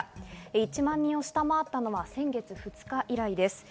１万人を下回ったのは先月２日以来です。